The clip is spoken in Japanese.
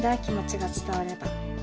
気持ちが伝われば。